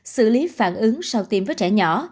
xử lý phản ứng sau tiêm với trẻ nhỏ